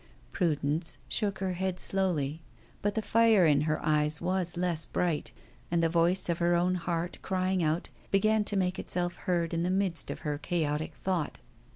Prudence shook her head slowly, but the fire in her eyes was less bright, and the voice of her own heart crying out began to make itself heard in the midst of her chaotic thought.